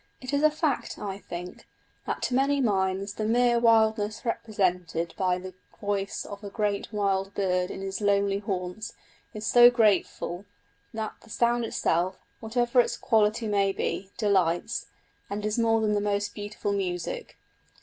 It is a fact, I think, that to many minds the mere wildness represented by the voice of a great wild bird in his lonely haunts is so grateful, that the sound itself, whatever its quality may be, delights, and is more than the most beautiful music.